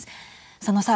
佐野さん。